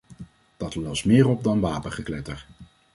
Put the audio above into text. Dat lost meer op dan wapengekletter.